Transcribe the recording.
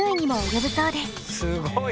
えすごい！